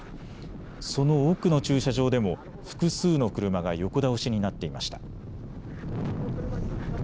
その奥の駐車場でも複数の車が横倒しになっていました。